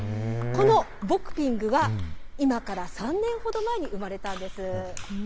このボクピングは今から３年ほど前に生まれたんです。